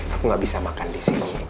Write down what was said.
aku gak bisa makan disini